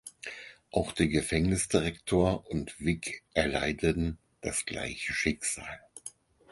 Auch der Gefängnisdirektor und Wig erleiden das gleiche Schicksal.